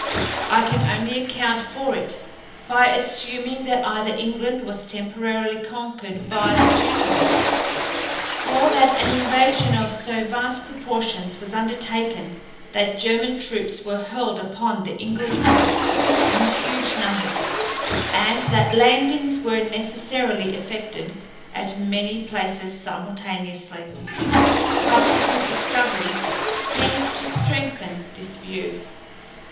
I can only account for it by assuming that either England was temporarily conquered by the Teutons, or that an invasion of so vast proportions was undertaken that German troops were hurled upon the England coast in huge numbers and that landings were necessarily effected at many places simultaneously. Subsequent discoveries tend to strengthen this view.